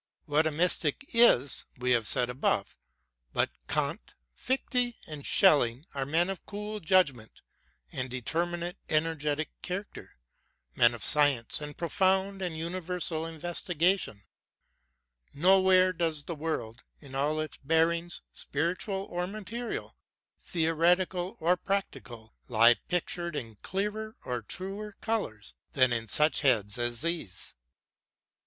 What a mystic is, we have said above. But Kant, Pichte, and Schelling, are men of cool judg ment, and determinate energetic character; men of science and profound and universal investigation; nowhere does the world, in all its bearings, spiritual or material, theo retic or practical, lie pictured in clearer or truer colours than in such heads as these.